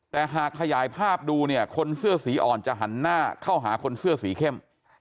แต่หากขยายภาพดูเนี่ยคนเสื้อสีอ่อนจะหันหน้าเข้าหาคนเสื้อสีเข้ม